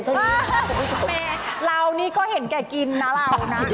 เราก็เห็นแก่กินน่ะเรานะ